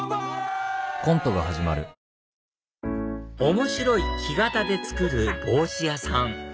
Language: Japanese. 面白い木型で作る帽子屋さん